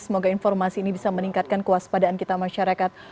semoga informasi ini bisa meningkatkan kewaspadaan kita masyarakat